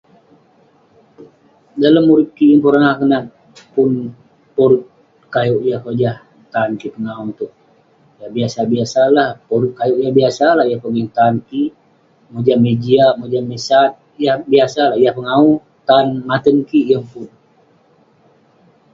Dalem urip kik yeng pernah akuek koluk porup kayuk yah kojah tan kik pegau ituek yang biasa-biasalah koluk kayuk yah biasalah yang pogeng tan kik mojam eh jiak mojam eh sat mojam yah pegau tan maten kik yeng pun